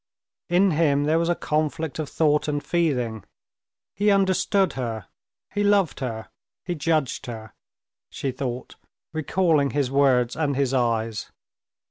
In him there was a conflict of thought and feeling; he understood her, he loved her, he judged her, she thought, recalling his words and his eyes.